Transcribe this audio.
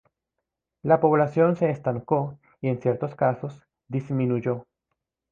La población se estancó y en ciertos casos, disminuyó.